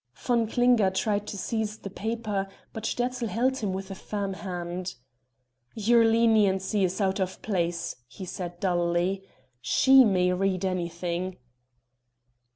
Von Klinger tried to seize the paper, but Sterzl held him with a firm hand. "Your leniency is out of place," he said dully; "she may read anything."